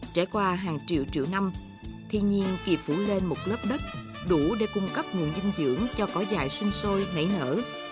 trải qua hàng triệu triệu năm thiên nhiên kỳ phủ lên một lớp đất đủ để cung cấp nguồn dinh dưỡng cho cỏ dài sinh sôi nảy nở